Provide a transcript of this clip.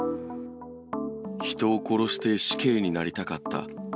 人を殺して死刑になりたかった。